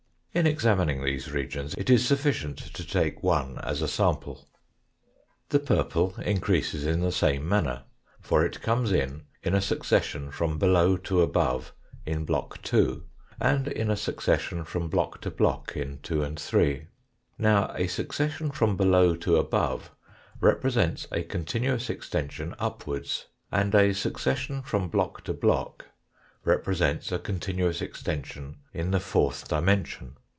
In examining these regions it is sufficient to take one as a sample. The purple increases in the same manner, for it comes in in a succession from below to above in block 2, and in a succession from block to block in 2 and 3. Now, a succession from below to above represents a continuous extension upwards, and a succession from block to block represents a continuous extension in the fourth dimension.